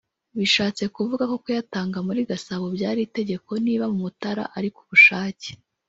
” Bishatse kuvuga ko kuyatanga muri Gasabo byari itegeko niba mu Mutara ari ku bushake